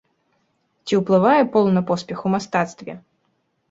Ці ўплывае пол на поспех у мастацтве?